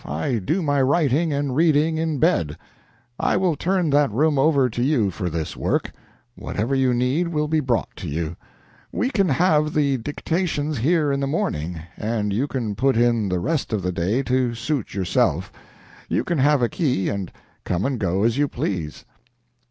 I do my writing and reading in bed. I will turn that room over to you for this work. Whatever you need will be brought to you. We can have the dictations here in the morning, and you can put in the rest of the day to suit yourself. You can have a key and come and go as you please."